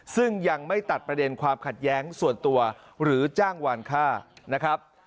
ซึ่งยังไม่ตัดประเด็นความขัดแย้งส่วนตัวหรือจ้างวานค่านะครับ